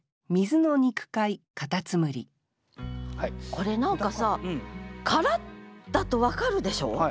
これ何かさ殻だと分かるでしょ？